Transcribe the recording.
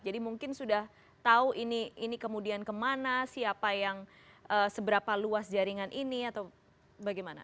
jadi mungkin sudah tahu ini kemudian kemana siapa yang seberapa luas jaringan ini atau bagaimana